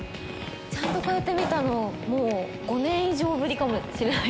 ちゃんとこうやって見たのもう５年以上ぶりかもしれない。